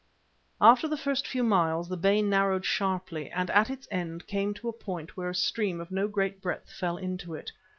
After the first few miles the bay narrowed sharply, and at its end came to a point where a stream of no great breadth fell into it.